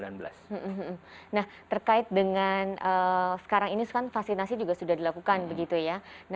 nah terkait dengan sekarang ini vaksinasi juga sudah dilakukan